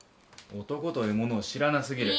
男というものを知らなすぎる。